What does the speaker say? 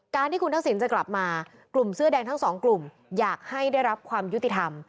ที่คุณทักษิณจะกลับมากลุ่มเสื้อแดงทั้งสองกลุ่มอยากให้ได้รับความยุติธรรม